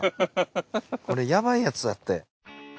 これヤバいやつだって。